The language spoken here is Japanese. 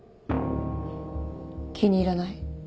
気に入らない。